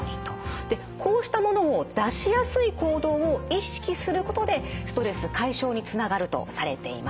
こうしたものを出しやすい行動を意識することでストレス解消につながるとされています。